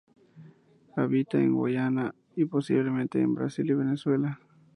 Habita en Guayana y, posiblemente, en Brasil y Venezuela.